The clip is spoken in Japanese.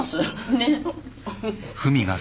ねえ。